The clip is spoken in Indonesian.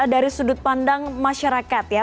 dari sudut pandang masyarakat ya